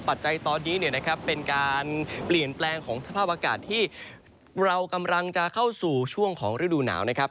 ปัจจัยตอนนี้เนี่ยนะครับเป็นการเปลี่ยนแปลงของสภาพอากาศที่เรากำลังจะเข้าสู่ช่วงของฤดูหนาวนะครับ